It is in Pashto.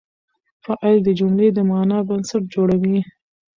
فاعل د جملې د معنی بنسټ جوړوي.